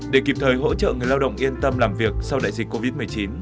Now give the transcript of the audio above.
để kịp thời hỗ trợ người lao động yên tâm làm việc sau đại dịch covid một mươi chín